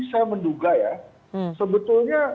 saya menduga ya sebetulnya